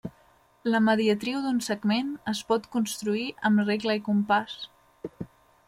La mediatriu d'un segment es pot construir amb regle i compàs.